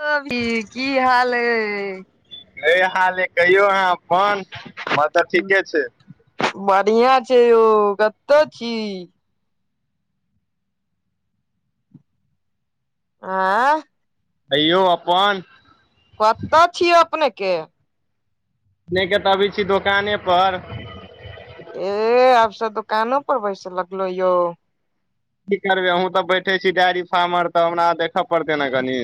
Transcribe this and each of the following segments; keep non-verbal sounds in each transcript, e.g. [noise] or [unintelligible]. हँ, गै की हाल ऐ। सहिये हाल ऐ, कहियौ अहां अपन? हमर तऽ ठीके छै। बढ़िया छै यौ कत्ता छी? ऐं कहियौ अप्पन कत्ता छी अपने के अपने के ते अभी छी दोकाने पर ऐ आब से दोकानो पर बैसे लागलौ यौ? की करबै अहूँ तब बैठय छी डैरी फार्मर तऽ हमरा देख खय पड़तय नै कनी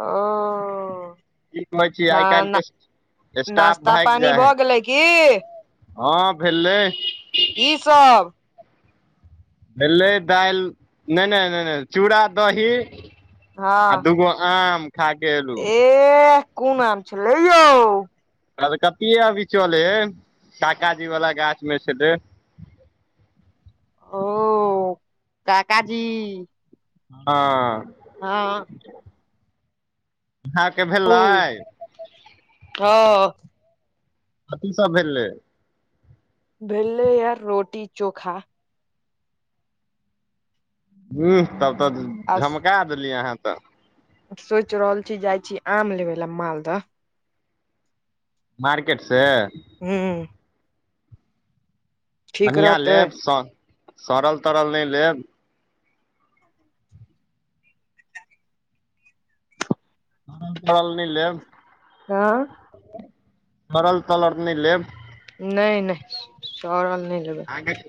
ओ की कहै छीयै आय काएल न के स्टाप नाश्ता भाएग पानी जाए भऽ हय। गेलै की हां भेलै की सब। भेलय दाएल नै-नै-नै चूड़ा-दही आ दूगो आम खाके ऐलू ए कोन आम छलै यौ? कलकतिए अभी चलै हय, काका जी वाला गाछ मे छले। ओ काकाजी हां। हां। अहाँ के भेलय? हां। अ की सब भेलय? भेलय यै रोटी-चोखा। ऊंह तब तै झमका देलिए अहाँ तै सौच रहल छी जाय छीयै आम लेबे लै मालदह। मार्केट से हूं। ठीक रहतै [unintelligible] स-सड़ल तरल नै लेब सड़ल-तरल नै लेब। हां। सड़ल-तलर नै लेब। नै-नै सड़ल नै लेबय। ऐखेन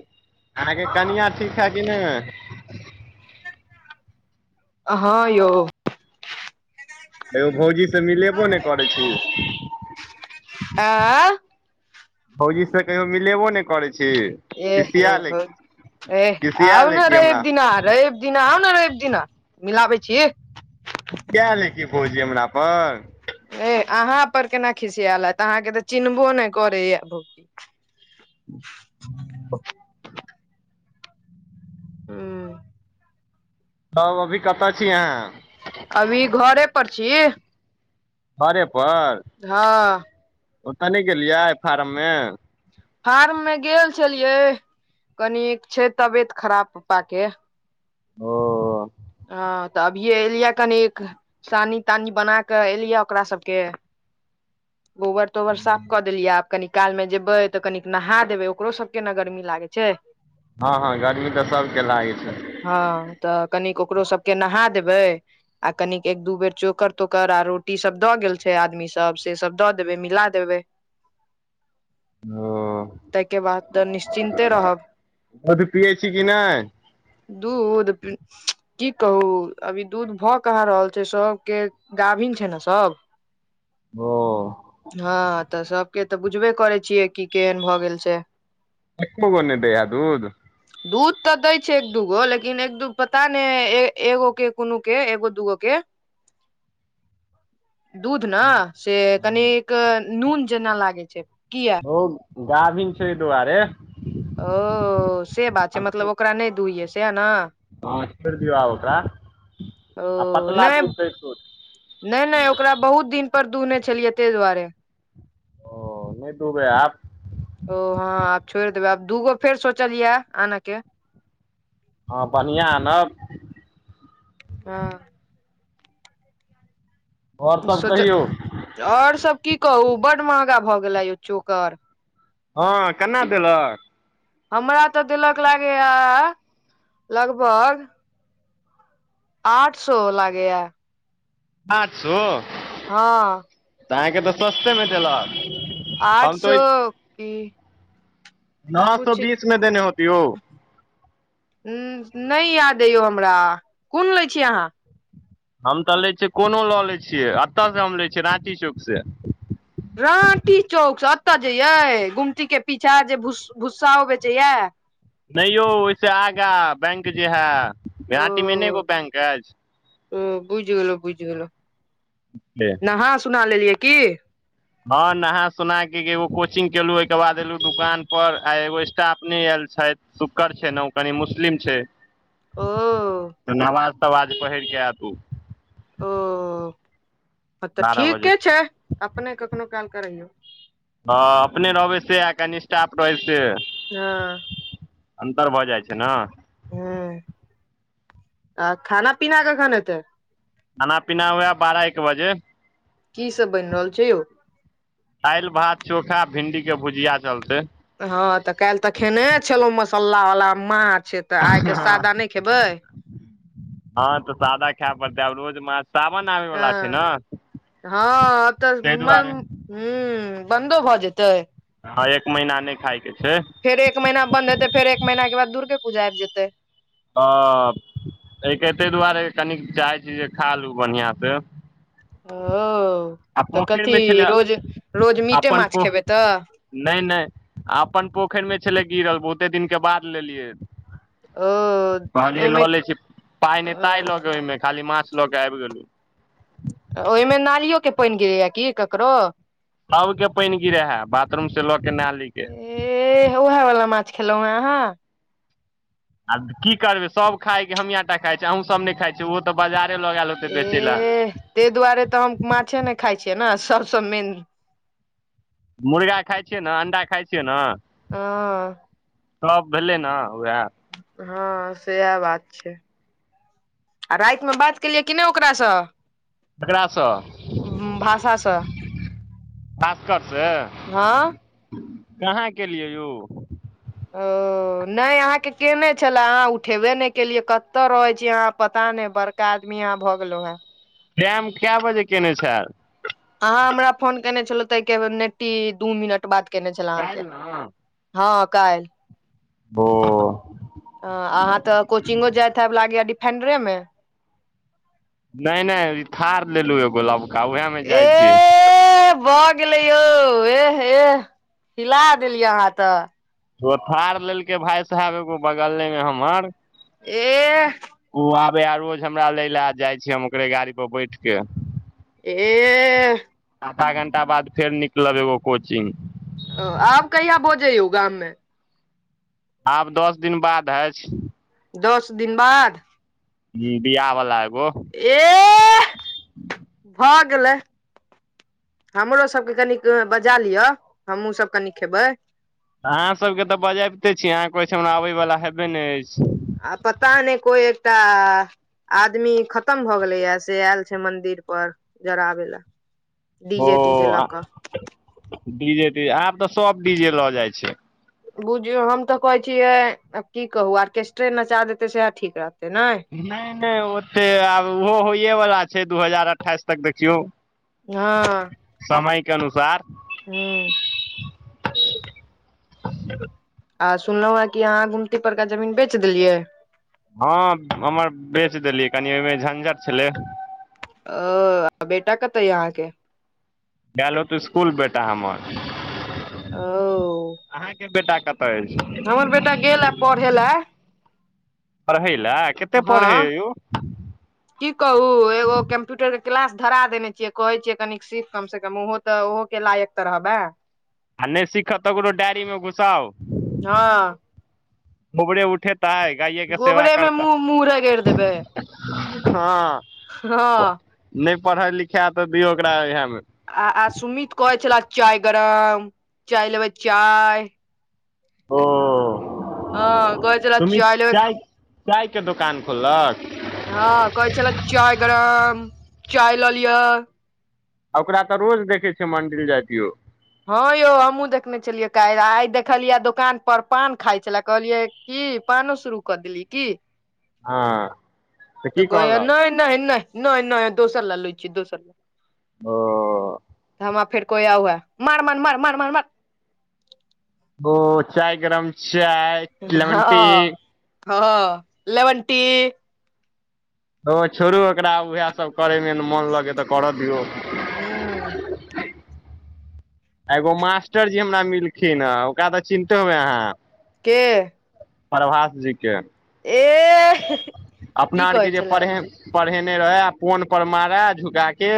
अहाँके कनिया ठीक हे कि नै? हां यौ। हेयौ भौजी से मिलेबो नै करै छी? ऐं भौजी से कहियो मिलेबौ नै करय छी। एह यौ खिसियाल भौजी एह आउ खिसियाल नै कि रैब हमरा दिना अहां रैब दिना आउ नै रैव दिना मिलाबै छी। खिसयेल यै की भउजी हमरा पर? ए अहाँ पर केना खिसयैल हैत अहाँके तऽ चिन्हबो नै करय यै भौजी। [inaudible] [inaudible] हुं। तब अभी कता छी अहाँ? अभी घरे पर छी। घरे पर? हँ। ओतऽ नैय गेलियै फारम में? फारम में गेल छलियै कनिक छै तबियत खराब पप्पा के। ओ। हँ तऽ अभिये एलियए कनीक सानी-तानी बना कऽ एलियै ओकरा सबके गोबर-तोबर साफ कऽ देलियए आब कनि काल में जेबै तऽ कनिक नहा देबै ओकरो सबके न गर्मी लागै छैय। हँ हँ गर्मी तऽ सबके लागै छै। हँ तऽ कनिक ओकरो सबके नहा देबै आ कनिक एक दू बेर चोकर-तोकर आ रोटी सब दऽ गेल छै आदमी सब से सब दऽ देबै मिला देबै। ओ तयके बाद तऽ निश्चिन्ते रहब। अभी पियै छी की नैय? दूध उम्म की कहू अभी दूध भऽ कहाँ रहल छैय सबके गाभिन छैय न सब। [inaudible] [inaudible] ओ हँ तऽ सबके तऽ बुझबे करै छियै की केहेन भऽ गेल छै। एक्को गो नैय दैया दूध? दूध तऽ दै छै एक दूगो लेकिन एक दू पता नैय ए एगो के कुनो के एगो-दूगो के [inaudible] दूध न से कनिक नून जेना लागै छै कियै? ओ गाभीन छै अय दुआरे। ओ से बात छैय मतलब आब ओकरा नैय दुहियए सएह न? हँ छोइड़ दियौ आब ओकरा। ओ पतला नैय, दूध दै छूट नैय-नैय ओकरा बहुत दिन पर दुहने छेलियै तय दुआरे। ओ नैय दुहबै आब। ओ हँ आब छोइड़ देबै आब दूगो फेर सोचलियै आनऽ के। हँ बन्हिआँ आनब। हँ। आओर सब सोचऽ कहियौ और सब की कहू बड महगा भऽ गेला यौ चोकर। हँ केना देलक? हमरा तऽ देलक लागैआ लगभग आठ सो लागैया। पाँच सो? हँ। तऽ अहाँके तऽ सस्तेमें देलऽक। आठ सो की न तो कुछ बीस में देने होतिओ। न्न नैय याद अय यौ हमरा कुन लैय छियै अहाँ? हम तऽ लै छियै कोनो लऽ लै छियै अतऽ से हम लैय छियै राँटी चौक से। राँटी चौक स अतऽ जे यैय गुमती के पीछा जे भूस भूस्साओ बेचैया? नैय यौ ओय से आगा बैंक जे है राँटी में नै एगो बैंक अइछ? हम्म बुइझ गेलौं बुइझ गेलौं। पेलेऽ। नहा सुना लेलियै की। हँ नहा सुना के एगो कोचिंग केलहु ओहिके बाद एलहु दुकान पर आ एगो स्टाफ नहि आयल छथि। सुकड़ छै न ओकनी मुस्लिम छै। ओ नवाज तवाज पहिर कऽ एत उ। ओ हँ तऽ बारह बजे ठीके छै अपने कखनो काल क रहयौ। हँ अपने रहबै से आ कनि स्टाफ रहै से। हँ। अन्तर भऽ जाइ छै न। ह आ खाना पीना कखन हेतै। खाना पीना हुएह बारह एक बजे। की सब बनि रहल छै यौ। दालि भात चोखा भिण्डीके भुजिया चलतै। हँ तऽ काल्हि तऽ खेने छलेलहुँं मसाल्ला वाला माछ तऽ आइके सादा नहि खेबै। हँ तऽ सादा खै पड़तै आब रोज माछ। सााबन। हँ हँ तऽ मन। दुआरे हूं बन्दो भऽ जेतै। हँ एक महीना नहि खाायके छै। फेर एक महिना बन्द हेतै फेर एकमहिनााक बाद दुर्गपुजा आबि जेतै। ह एक तै दुआरे कनिक चाहै छी जे खा लू बढ़िआँ से। ओ तऽ कथी पोखरिमे छलै रोज रोज मीटे अपन माछ पो खेबै तऽ। नहि नहि अपन पोखैरमे छलै गिरल बहुते दिनके बाद लेलियै। ओ कहलिए ओहिमे ल लै छी पाइ नई ताई लऽ गई है ओइमे खाली माछ लऽ के आबि गेलहु। ओहिमे नालियो के पानि गिरैया की ककरो। सबके पानि गिरे है बाथरूम से लऽ के नाली के। एह उएह वाला माछ खेलौॅं हें अहाँ। आ की करबै सभ खायके हमिय टा खााय छी अहूँ सब नहि खाइ छीयै ओहो तऽ बाजारे लगल होतै बेचे लए। एह ताहि दुआरे तऽ हम माछे नहि खाइ छियै ने सबसँ मेन। मुर्गा खाइ छियै न अंडा खाइ छियै न। आं। फ्लाव भेलै न वएह। हँ सेहै बात छै। आ रातिमे बात केलियै की नहि ओकरासँ। ककरासँ भाषासँ भास्कर से। हँ। कहाँ केलियै यौ। ह। नहि अहाँ के केने छले अहाँ उठेबे नहि केलियै कत रहे छीय अहां पता नहि बड़। आदमी यहाँ भऽ गेलो है। टाइम कए बजे केने छै। अहाँ हमरा फोन केने छलहु तऽ के नेट्टी दू मिनट बात केयने छल अहाँके। काल्हि ने हँ काइल। बो। अ अहाँ तऽ कोचिंगो जाइत हयब लागैया डिफेंडरे मे। नै- नै थार लेलु एगो लबका उहे मे जाइ छी। गेले यौ एह एह हिला देलियै अहाँ त। तो थार लेलकै भाय साहब एगो बगलेमे हमर। एह। उ आबेया रोज हमरा लय लए आ जाइ छी हम ओकरे गाड़ी पर बैठके। एह। आधा घंटा बाद फेर निकलब एगो कोचिंग। ओ आब कहिया भोज अय यौ गाममे। आब दस दिन बाद अछि। दस दिन बाद। ह बियाह बला एगो। एह भऽ गेलै। हमरो सबके कनी कऽ बजा लिअ हमहुँ सब कनी खेबै। अहाँसभके तऽ बजाबिते छी अहाँ कहय छी हमरा आबै वला हेबे नै अछि। आ पता नै कोइ एकटा आदमी खतम भ गेलै य से आयल छैय मंदिर पर जराबे लऽ। ओ डीजे तीजे कऽ डीजे तीजे आब त सऽब डीजेे लऽ जाइ छैय। बुझियौ हम त कहै छियै आब की कहू आर्केस्ट्रे नचा देतै सएह ठीक रहतै नय। नै- नै ओते आब ओहो होइए वला छैय दू हजार अठाइस तक देखियौ। हँ। समयके अनुसार। हँ। आ सुनलौं हैं कि अहाँ गुमती परका जमीन बेच देलियै। हँ हमर बेच देलियै कनि ओयमे झंझट छलै। ओ आ बेटा कतऽ ये अहाँके। गेलत इसकुल बेटा हमर। ओ अहाँके बेटा कत अइछ। हमर बेटा गेलए पढ़े लए। पढ़ै लए। कते पढ़ै हँ। यौ की कहू एगो कम्प्यूटरके क्लास धरा देने छियै कहै छियै कनिक सीख कमसँ कम उहो त ओहो के लायक त रहबैं। आ नै सिखत तकरो डायरीमे घुसाउ, हँ गोबरे उठेत तय गायए क सेवा गोबरे मे करतै। मुँह मुँह रगड़ि देबै हँ नै पढ़ै लिखे त दियौ ओकरा इहेमे। आ- आ सुमित कहै छले चाय गरम चाय लेबै चाय। ओ हँ कहै छले चाय लेबै चायके दोकान खोललक। हँ कहै छले चाय गरम चाय लऽ लियअ। आ ओकरा त रोज देखै छियै मंडिल जाइत यौ। हँ यौ हमहुँ देखने छलियै काइल आइ देखलियै दोकान पर पान खाय छले कहलियै की पानो शुरू क देलियै की। हँ। तऽ त की कहैये कहलक नै-नै- नै- नै- नै दोसर लए लय छी दोसर लए। ओ हमरा फेर कोहईयै ओहै मार मार मार मार मार मार। ओ चाय गरम चाय। लेमन टी हँअ हँ लेवनटी। तो छोड़ू ओकरा उहै सब करै में न मोन लगै तऽ करऽ दियौ। हूँ। एगो मास्टरजी हमरा मिलखिन हँ ओकरा तऽ चिन्हतो होबै अहाँ। के? प्रभास जी के। एह ही ही। अपना आर के जे पढ़े पढ़ेने रहे पोन पर मारै झुका के।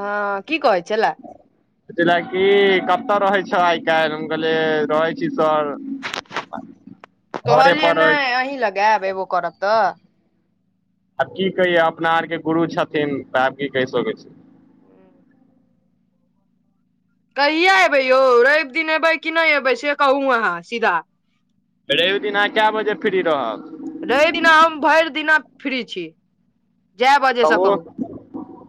हँ की कहै छेलै? कहै छलै की कतअ रहै छऽ आइ-काइल हम कहलिये रहै छी सर [unintelligible] कहलियै पर रहै नैय छी अहीं लग ऐब एब्बो करब तऽ। आब की कहियै अपना आरके गुरु छथिन तऽ आब की कैह सकै छी। हूं। कहिया एबै यौ रैब दिन एबै कि नैय एबै से कहू अहाँ सीधा। रैब दिन अहाँ कए बजे फ्री रहब? रैब दिना हम भैर दिना फ्री छी। जैय बजेसँ कहू।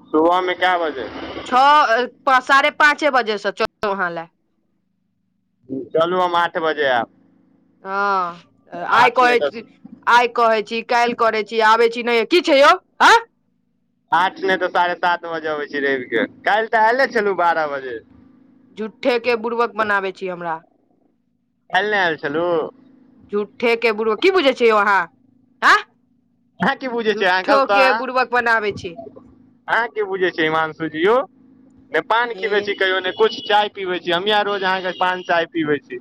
सुबहमे कए बजे छऽ अ पा साढ़े पाँचे बजे स चलब अहाँ लए। चलू हम आठ बजे ऐब। हँ आइ नहि तऽ कहै आइ कहै छी काइल करै छी आबै छी नैय की छै यौ हँ। आठ नैय तऽ साढ़े सात बजे अबै छै रैब के काइल तऽ एले छलू बारह बजे। झूट्ठे के बुुरबक बनाबै छी हमरा। काइल नैय ऐल छलू? झूट्ठे के बुरबक की बुझै छियौ अहाँ आँ। अहाँ की बुझै छियै अहाँ झूट्ठो कहू तऽ के अहाँ बुरबक बनाबै छी। अहाँ की बुझै छी हिमानंशुजी यौ नैय पान खिबै ए छी कहियो नैय कुछ चाय पीबै छी हमहीं अहाँ रोज अहाँके पान चाय पीबै छी।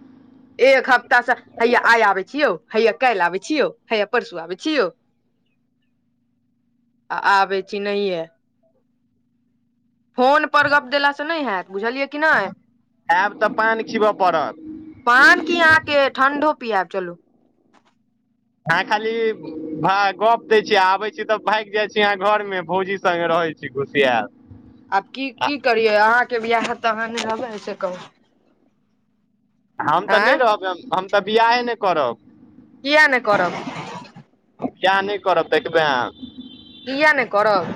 एक हफ्ता स हैया आइ आबै छी यौ हैया काइल आबै छी यौ हैया परसू आबै छी यौ आ आबै छी नहिये। फोन पर गप्प देलासँ नै हैत बुझलियै कि नै। एब तऽ पान खिबऽ पड़त। पान की अहाँके ठण्डो पिएब चलू। आहाँ खाली भऽ गप दय छी आबै छी तऽ भाइग जाय छी आहाँ घर में भौजी संगे रहै छी घुसियैल। आब की की करियै अहाँके बियाह हैत तऽ अहाँ नै रहबै से कहू। हम तऽ नै आँय रहबै हम तऽ बियाहे नै करब। कियै नै करब? हम बियाह नै करब देखबै अहाँ। कियै नै करब?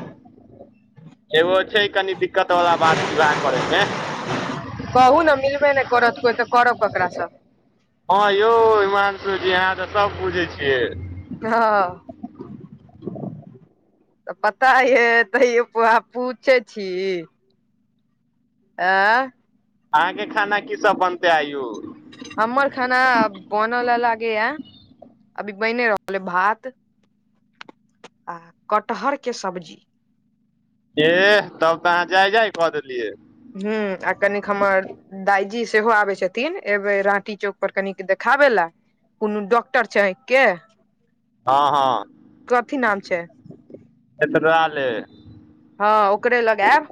एगो छै कनी दिक्कत वला बात विवाह करै में। कहू न मिलबे नै करत कोई तऽ करब ककरा स। हँ यौ हिमांशु जी! अहाँ तऽ सब बुझै छियै। हँ। तऽ पता य, तयौ आहा पूछे छी। आ। अहाँके खाना की सब बनते आय यों? हम्मर खाना बनल लागे य। अभी बेने रहलै, भात, आ कटहर के सब्जी। एह तब तऽ अहाँ जाय -जाय कऽ देलियै। हू आ कनी खमर। दाइजी सेहो आबै छथिन, एयबै राँटी चौक पर, कनिक देखाबै लए। कोनो डॉक्टर छै आँख के? हँ- हँ कथी नाम छै एतबै नै। हँ, ओकरे लगायब।